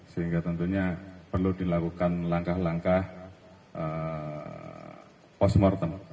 sehingga tentunya perlu dilakukan langkah langkah post mortem